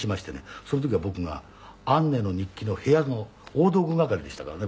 その時は僕が『アンネの日記』の部屋の大道具係でしたからね